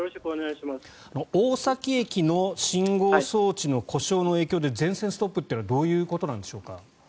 大崎駅の信号装置の故障の影響で全線ストップというのはどういうことなんでしょうか。